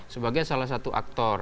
sebagai salah satu aktor